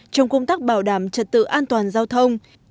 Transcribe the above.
trong công tác bảo đảm trật tự an toàn giao thông